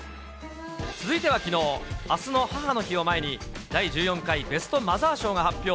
続いてはきのう、あすの母の日を前に、第１４回ベストマザー賞が発表。